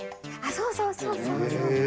そうそうそうそう。